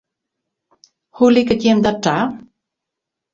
Hoe liket jim dat ta?